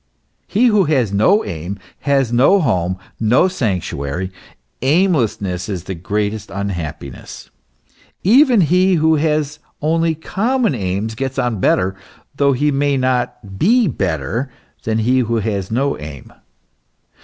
He who has no aim, has no home, no sanctuary ; aimlessness is the greatest unhappiness. Even he who has only common aims, gets on better, though he may not be better, than he who has no aim.